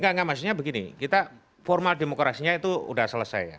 enggak enggak maksudnya begini kita formal demokrasinya itu sudah selesai ya